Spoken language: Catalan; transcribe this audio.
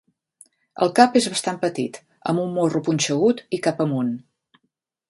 El cap és bastant petit, amb un morro punxegut i cap amunt.